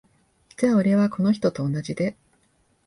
じゃ俺は、この人と同じで。